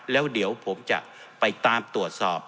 แล้วเดี๋ยวผมจะไปตามตรวจสอบ